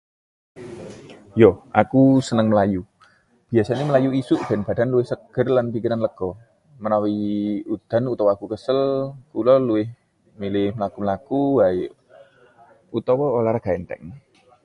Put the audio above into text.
Ya, aku seneng mlayu. Biasane mlayu esuk ben badan luwih seger lan pikiran lega. Menawi udan utawa aku kesel, kula milih mlaku-mlaku wae utawa olahraga entheng.